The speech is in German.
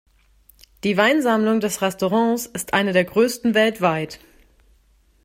Die Weinsammlung des Restaurants ist eine der größten weltweit.